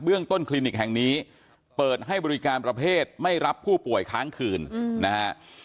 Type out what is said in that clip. เรื่องต้นคลินิกแห่งนี้เปิดให้บริการประเภทไม่รับผู้ป่วยค้างคืนนะฮะ